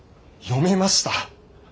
読めました！